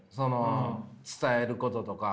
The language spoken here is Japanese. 伝えることとか。